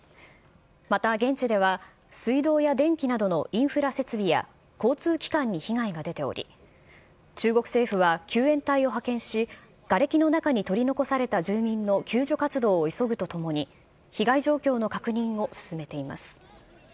また現地では、水道や電気などのインフラ設備や交通機関に被害が出ており、中国政府は救援隊を派遣し、がれきの中に取り残された住民の救助活動を急ぐとともに、被害状況の確認を進めています。